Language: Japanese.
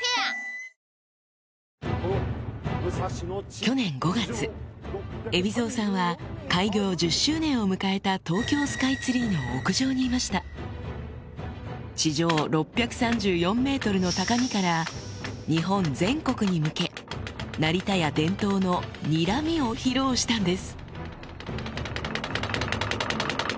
去年５月海老蔵さんは開業１０周年を迎えた東京スカイツリーの屋上にいました地上 ６３４ｍ の高みから日本全国に向け成田屋伝統のにらみを披露したんです